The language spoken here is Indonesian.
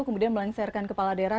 kemudian melengsarkan kepala daerah